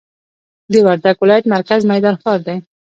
د وردګ ولایت مرکز میدان ښار دی